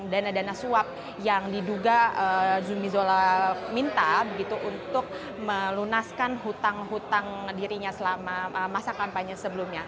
dana dana suap yang diduga zumi zola minta begitu untuk melunaskan hutang hutang dirinya selama masa kampanye sebelumnya